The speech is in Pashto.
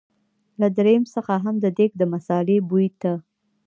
له دريم څخه هم د دېګ د مثالې بوی ته.